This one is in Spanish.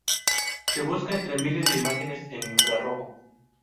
Se busca entre miles de imágenes en infrarrojo.